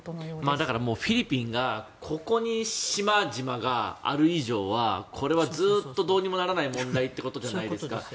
だから、フィリピンがここに島々がある以上はこれはずっとどうにもならない問題ということじゃないですか。